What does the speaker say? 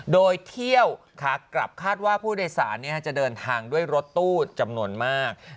โดยเที่ยวขากลับคาดว่าผู้โดยสารจะเดินทางด้วยรถตู้จำนวนมาก